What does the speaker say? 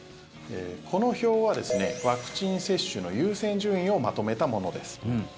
この表はワクチン接種の優先順位をまとめたものです。